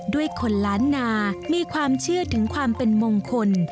ด้วยคนล้านนามีความเชื่อถึงความเป็นมงคล